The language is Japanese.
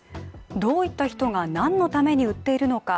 どういった人が、なんのために売っているのか。